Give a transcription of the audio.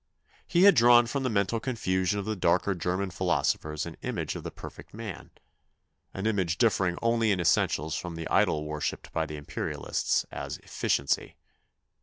He had drawn from the mental confusion of the darker German philosophers an image of the perfect man an image differing only in in essentials from the idol worshipped by the Imperialists as " efficiency."